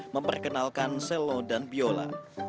memperkenalkan selo dan biola